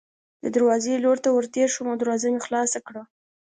د دروازې لور ته ورتېر شوم او دروازه مې خلاصه کړه.